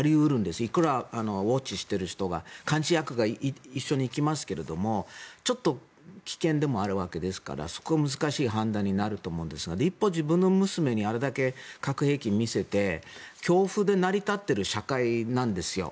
いくらウォッチしている人が監視役が一緒に行きますがちょっと危険でもあるわけですからそこが難しい判断になると思うんですが一方、自分の娘にあれだけ核兵器を見せて恐怖で成り立ってる社会なんですよ。